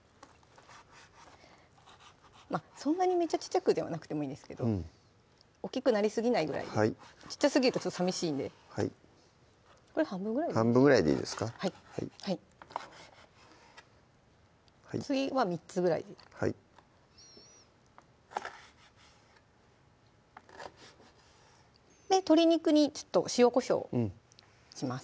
そんなにめっちゃ小っちゃくではなくてもいいんですけど大っきくなりすぎないぐらいで小っちゃすぎるとさみしいんでこれ半分ぐらいに半分ぐらいでいいですかはい次は３つぐらいではい鶏肉にちょっと塩・こしょうします